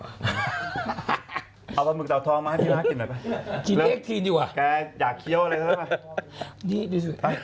เอาปลาหมึกเตาทองมาให้พี่น้ากินหน่อยแกอยากเชี่ยวอะไร